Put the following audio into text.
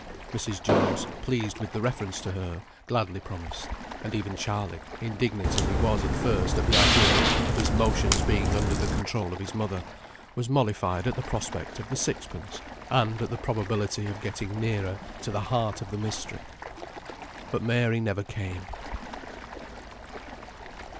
Mrs. Jones, pleased with the reference to her, gladly promised. And even Charley, indignant as he was at first at the idea of his motions being under the control of his mother, was mollified at the prospect of the sixpence, and at the probability of getting nearer to the heart of the mystery. But Mary never came.